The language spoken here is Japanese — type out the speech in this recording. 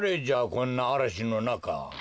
こんなあらしのなか。